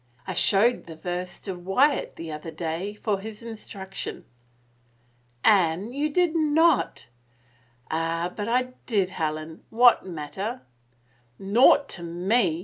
... I showed the verse to Wyatt the other day for his instruction." " Anne, you did noil" "Ah, but I did, Helen. What matter?" " Naught to me